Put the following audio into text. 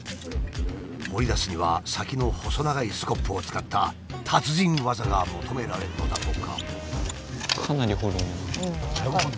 掘り出すには先の細長いスコップを使った達人技が求められるのだとか。